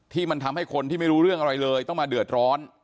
ที่มันทำให้คนที่ไม่รู้เรื่องอะไรเลยต้องมาเดือดร้อน